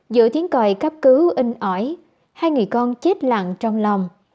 giữa tiếng còi cấp cứu in ỏi hai người con chết lặng trong lòng